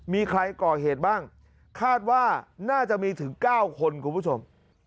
มีใครก่อเหตุบ้างคาดว่าน่าจะมีถึง๙คนคุณผู้ชม